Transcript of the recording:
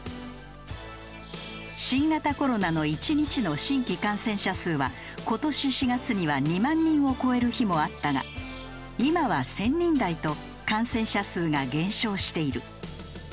新型コロナの１日の新規感染者数は今年４月には２万人を超える日もあったが今は１０００人台と感染者数が減少している。